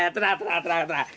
tenang tenang tenang